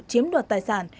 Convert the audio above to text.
chiếm đoạt tài sản